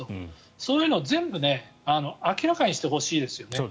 そういうのを全部明らかにしてほしいですよね。